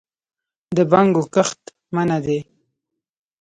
د بنګو کښت منع دی؟